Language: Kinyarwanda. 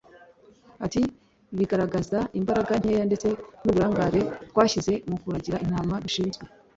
Ati “Bigaragaza imbaraga nkeya ndetse n’uburangare twashyize mu kuragira intama dushinzwe